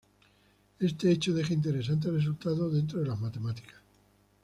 Este hecho deja interesantes resultados dentro de las matemáticas.